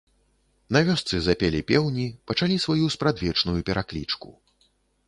На вёсцы запелі пеўні, пачалі сваю спрадвечную пераклічку.